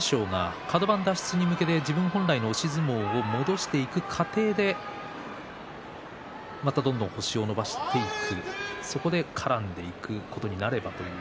とはいえ、そうすると舞の海さん貴景勝がカド番脱出に向けて自分本来の押し相撲を戻していく過程でまたどんどん星を伸ばしていくそこで絡んでいくことになればという。